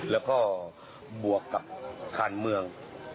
แล้วก็บวกกับการเมือง